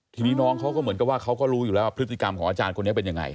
ทีนี้น้องเขาก็เหมือนกับว่าเขาก็รู้อยู่แล้วว่าพฤติกรรมของอาจารย์คนนี้เป็นยังไง